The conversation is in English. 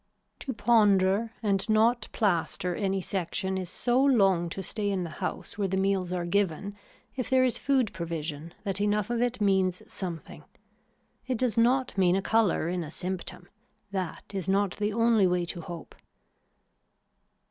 To ponder and not plaster any section is so long to stay in the house where the meals are given if there is food provision that enough of it means something. It does not mean a color in a symptom. That is not the only way to hope.